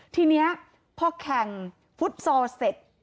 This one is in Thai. ทีนี้พอแข่งฟุตซอลเสร็จ